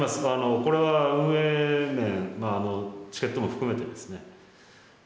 これは運営面チケットも含めてですね。